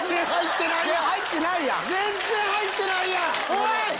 おい‼